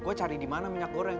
gue cari di mana minyak goreng